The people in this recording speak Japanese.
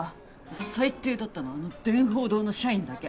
最低だったのはあの電報堂の社員だけ。